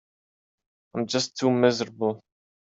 I'm just too miserable.